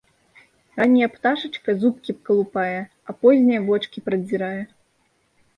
Ранняя пташачка зубкі калупае, а позняя вочкі прадзірае.